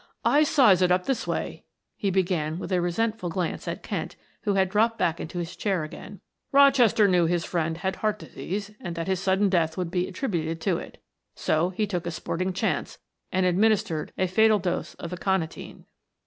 "I size it up this way," he began with a resentful glance at Kent who had dropped back in his chair again. "Rochester knew his friend had heart disease and that his sudden death would be attributed to it so he took a sporting chance and administered a fatal dose of aconitine."